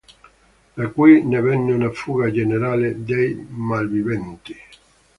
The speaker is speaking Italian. Da qui ne venne una fuga generale dei malviventi.